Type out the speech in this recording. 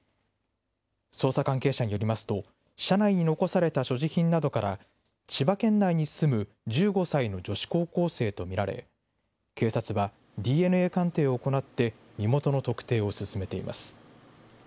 捜査関係者によりますと、車内に残された所持品などから、千葉県内に住む１５歳の女子高校生と見られ、警察はＤＮＡ鑑定を行って身元の特定を進めています。